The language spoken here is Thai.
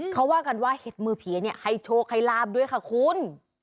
เขาว่ากันว่าเห็ดมือผีให้โชคให้ลาบด้วยค่ะคุณ